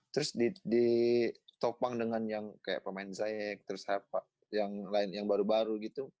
terus ditopang dengan yang kayak pemain zayek terus apa yang baru baru gitu